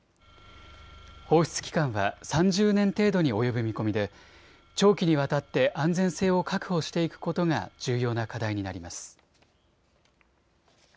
放出期間は３０年程度に及ぶ見込みで長期にわたって安全性を確保していくことが重要な課題になります。